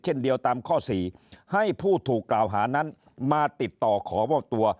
เช่นเดียวตามข้อ๔ให้ผู้ถูกกล่าวหานั้นมาติดต่อขอมอบตัว